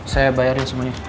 saya bayarnya semuanya